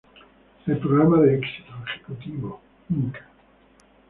El Programas de Éxito Ejecutivo, Inc.